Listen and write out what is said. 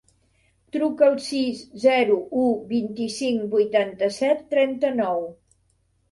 Truca al sis, zero, u, vint-i-cinc, vuitanta-set, trenta-nou.